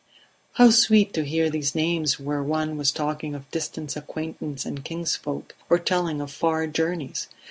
How sweet to hear these names where one was talking of distant acquaintance and kinsfolk, or telling of far journeys!